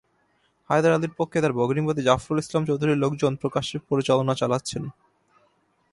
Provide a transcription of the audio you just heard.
হায়দার আলীর পক্ষে তাঁর ভগ্নিপতি জাফরুল ইসলাম চৌধুরীর লোকজন প্রকাশ্যে প্রচারণা চালাচ্ছেন।